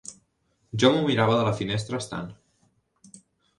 Jo m'ho mirava de la finestra estant.